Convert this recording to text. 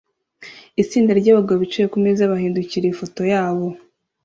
Itsinda ryabagabo bicaye kumeza bahindukirira ifoto yabo